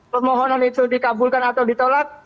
permohonan itu dikabulkan atau ditolak